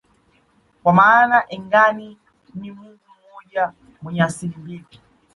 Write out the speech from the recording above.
kwa maana Engai ni mungu mmoja mwenye asili mbili